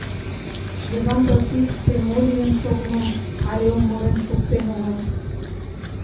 Йыван Российыште мо лийын шогымым але умылен шуктен огыл.